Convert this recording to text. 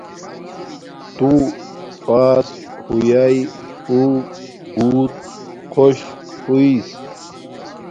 تو پاس ہویاݵ اݸ بوت خوش ہوݵس